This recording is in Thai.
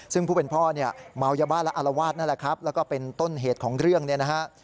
ซึ่งผู้เป็นพ่อเนี่ยเมายาบ้าและอารวาสนั่นแหละครับแล้วก็เป็นต้นเหตุของเรื่องเนี่ยนะฮะ